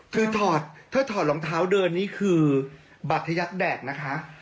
คือถอดถ้าถอดรองเท้าเดินนี่คือบัตรทยักษ์แดดนะคะ